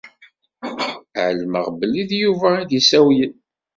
Ɛelmeɣ belli d Yuba i d-isawlen.